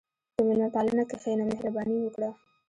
په میلمهپالنه کښېنه، مهرباني وکړه.